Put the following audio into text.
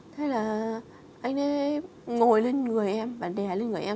thế là anh ấy ngồi lên người em và đè lên người em